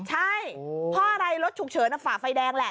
ใช่เพราะอะไรรถฉุกเฉินฝ่าไฟแดงแหละ